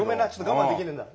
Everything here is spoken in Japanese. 我慢できねえんだ。